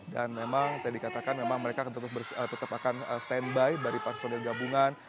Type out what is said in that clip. dan memang tadi katakan mereka tetap akan standby dari personel gabungan